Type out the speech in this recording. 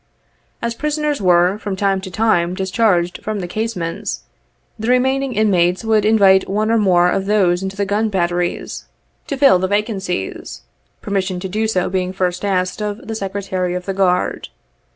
As prisoners were, from time to time, dis charged from the casemates, the remaining inmates would invite one or more of those in the gun batteries to fill the vacancies, permission to do so being first asked of the Ser geant of the Guard.